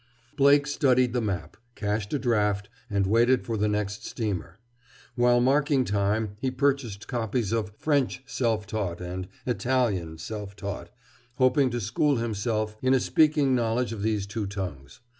Blake studied the map, cashed a draft, and waited for the next steamer. While marking time he purchased copies of "French Self Taught" and "Italian Self Taught," hoping to school himself in a speaking knowledge of these two tongues.